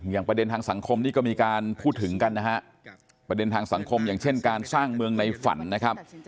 ประเด็นทางสังคมนี่ก็มีการพูดถึงกันนะฮะประเด็นทางสังคมอย่างเช่นการสร้างเมืองในฝันนะครับ